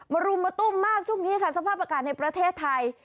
รุมมาตุ้มมากช่วงนี้ค่ะสภาพอากาศในประเทศไทย